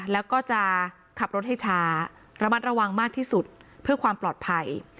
แล้วก็จะขับรถให้ช้าระมัดระวังมากที่สุดเพื่อความปลอดภัย